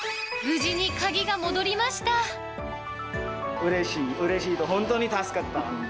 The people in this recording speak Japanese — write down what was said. うれしい、うれしいと、本当に助かった。